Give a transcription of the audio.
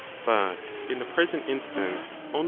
but in the present instance only.